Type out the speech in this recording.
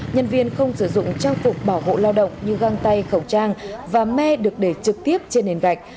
nhân viên không sử dụng trang phục bảo hộ lao động như găng tay khẩu trang và me được để trực tiếp trên nền gạch